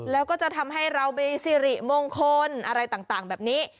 แล้วก็จะทำให้เรามีสิริมงคลอะไรต่างแบบนี้